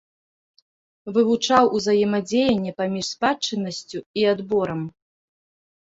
Вывучаў узаемадзеянне паміж спадчыннасцю і адборам.